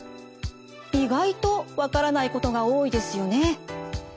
意外と分からないことが多いですよね。